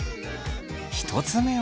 １つ目は。